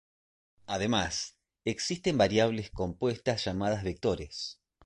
Además, existen variables compuestas llamadas vectores.